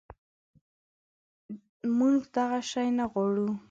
منږ دغه شی نه غواړو